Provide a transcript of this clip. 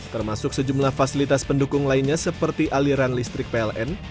termasuk sejumlah fasilitas pendukung lainnya seperti aliran listrik pln